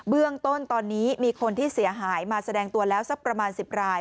เบื้องต้นตอนนี้มีคนที่เสียหายมาแสดงตัวแล้วสักประมาณ๑๐ราย